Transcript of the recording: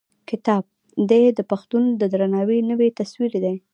کتاب: دی د پښتون د درناوي نوی تصوير دی.